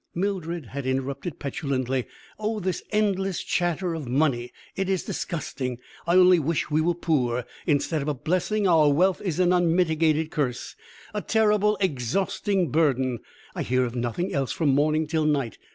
Mildred had interrupted petulantly. "Oh, this endless chatter of money! It is disgusting. I only wish we were poor. Instead of a blessing, our wealth is an unmitigated curse a terrible, exhausting burden. I hear of nothing else from morning till night.